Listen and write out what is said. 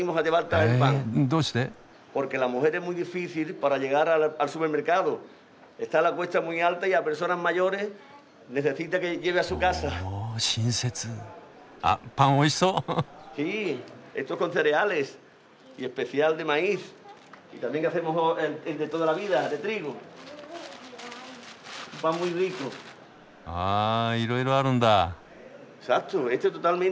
わあいろいろあるんだ。